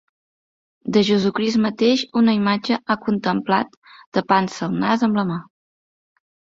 De Jesucrist mateix, una imatge ha contemplat, tapant-se el nas amb la mà.